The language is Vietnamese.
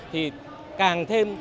thì càng thêm